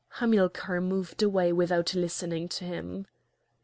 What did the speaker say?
Hamilcar moved away without listening to him.